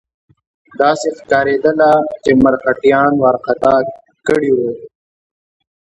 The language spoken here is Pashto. داسې ښکارېدله چې مرهټیان وارخطا کړي وي.